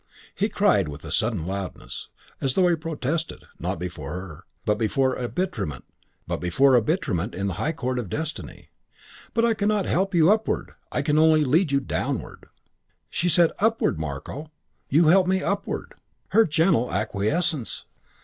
He cried with a sudden loudness, as though he protested, not before her, but before arbitrament in the high court of destiny, "But I cannot help you upward; I can only lead you downward." She said, "Upward, Marko. You help me upward." Her gentle acquiescence!